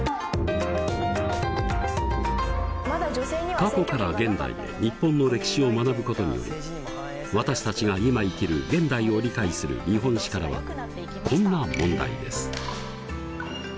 過去から現代へ日本の歴史を学ぶことにより私たちが今生きる現代を理解する「日本史」からはこんな問題です。